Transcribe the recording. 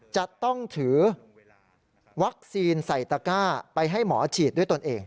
จะต้องถือวัคซีนใส่ตะก้าไปให้หมอฉีดด้วยตนเอง